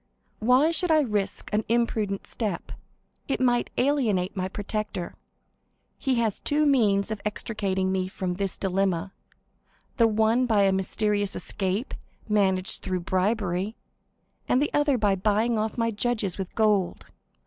Why should I risk an imprudent step? It might alienate my protector. He has two means of extricating me from this dilemma,—the one by a mysterious escape, managed through bribery; the other by buying off my judges with gold.